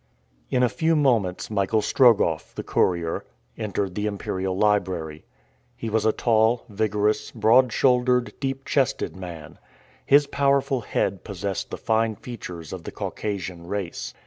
In a few moments Michael Strogoff, the courier, entered the imperial library. He was a tall, vigorous, broad shouldered, deep chested man. His powerful head possessed the fine features of the Caucasian race.